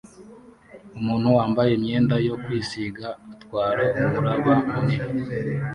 Umuntu wambaye imyenda yo kwisiga atwara umuraba munini